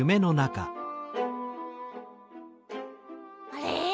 あれ？